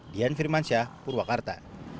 dian firmansyah purwakarta